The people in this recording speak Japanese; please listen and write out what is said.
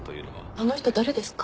あの人誰ですか？